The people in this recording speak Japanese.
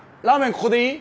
ここでいい？